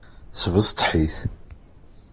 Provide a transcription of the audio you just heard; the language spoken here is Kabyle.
Sbesteḥ-it.